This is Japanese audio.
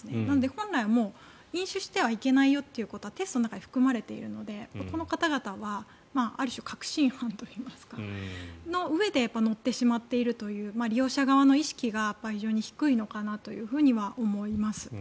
本来はもう飲酒してはいけないよということはテストの中に含まれているのでこの方々はある種、確信犯のうえで乗ってしまっているという利用者側の意識が非常に低いのかなとは思います。